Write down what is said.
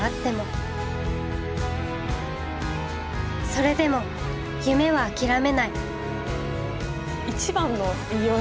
それでも夢は諦めない。